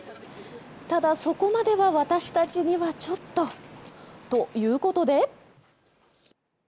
ただ、そこまでは私たちにはちょっと、ということで。